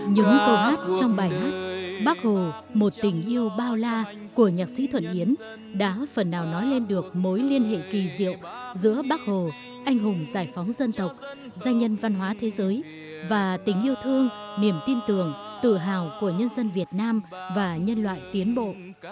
những câu hát trong bài hát bác hồ một tình yêu bao la của nhạc sĩ thuận yến đã phần nào nói lên được mối liên hệ kỳ diệu giữa bác hồ anh hùng giải phóng dân tộc danh nhân văn hóa thế giới và tình yêu thương niềm tin tưởng tự hào của nhân dân việt nam và nhân loại tiến bộ